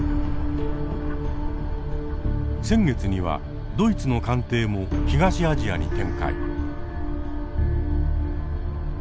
先月にはドイツの艦艇も東アジアに展開。